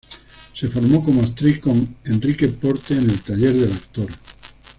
Se formó como actriz con Enrique Porte en el Taller del Actor.